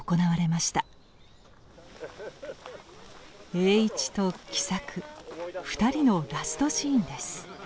栄一と喜作２人のラストシーンです。